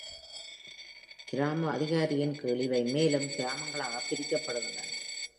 கிராம அதிகாரியின் கீழ் இவை மேலும் கிராமங்களாகப் பிரிக்கப்படுகின்றன.